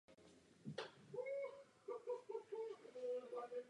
Systém nebo případně perioda obvykle zahrnují časové období více desítek miliónů let.